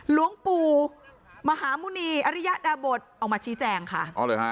หลวงปู่มหาหมุณีอริยดาบทออกมาชี้แจงค่ะอ๋อเหรอฮะ